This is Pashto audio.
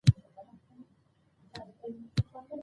دهغه جبار په دوزخ کې نه اچوم.